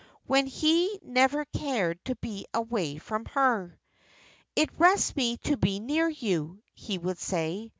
when he never cared to be away from her? "It rests me to be near you," he would say.